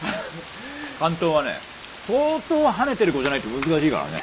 巻頭はね相当ハネてる子じゃないと難しいからね。